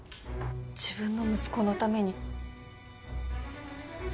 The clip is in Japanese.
自分の息子のために私を？